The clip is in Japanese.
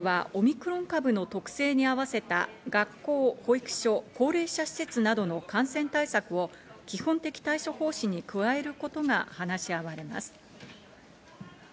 また会議ではオミクロン株の特性に合わせた学校、保育所、高齢者施設などの感染対策を基本的対処方針に加えることが話し合われます。